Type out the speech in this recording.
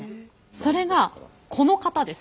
それがこの方です。